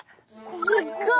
すっごい。